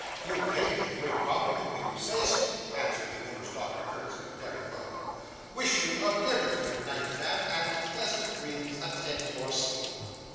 'You pay me a great compliment when you say so,' answered the miller's daughter, curtseying very low. 'Wish you a very good night, ma'am, and pleasant dreams attend your sleep!